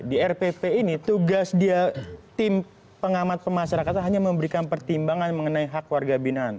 di rpp ini tugas dia tim pengamat pemasyarakatan hanya memberikan pertimbangan mengenai hak warga binaan